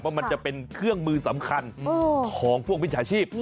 มันจะเป็นเครื่องมือสำคัญของพวกมิจฉาชีพ